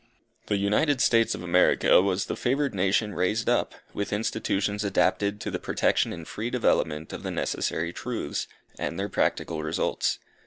The United States of America was the favoured nation raised up, with institutions adapted to the protection and free development of the necessary truths, and their practical results.